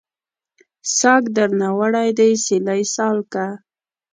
ساګ درنه وړی دی سیلۍ سالکه